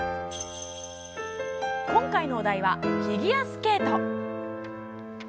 今回のお題はフィギュアスケート。